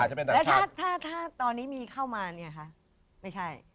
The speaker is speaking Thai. แล้วถ้าถ้าตอนนี้มีเข้ามาเนี่ยคะไม่ใช่